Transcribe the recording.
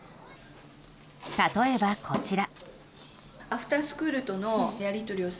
例えばこちら。